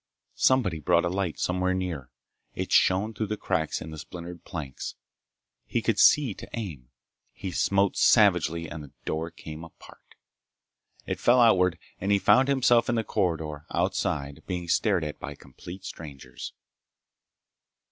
Somebody brought a light somewhere near. It shone through the cracks in the splintered planks. He could see to aim. He smote savagely and the door came apart. It fell outward and he found himself in the corridor outside, being stared at by complete strangers.